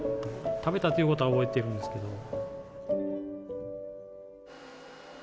食べたということを覚えてるんですけれども。